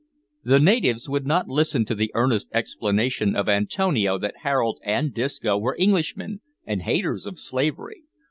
The natives would not listen to the earnest explanation of Antonio that Harold and Disco were Englishmen, and haters of slavery.